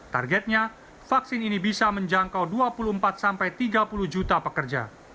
targetnya vaksin ini bisa menjangkau dua puluh empat sampai tiga puluh juta pekerja